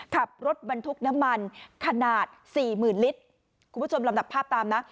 ขับรถบรรทุกน้ำมันขนาดสี่หมื่นลิตรคุณผู้ชมลำดับภาพตามนะ